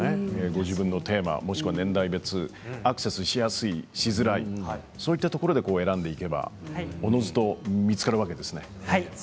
ご自分のテーマ、年代別アクセスしやすいそういういったところで選んでいけばおのずと見つかるわけですね。